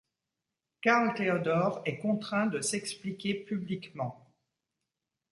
Karl-Theodor est contraint de s'expliquer publiquement.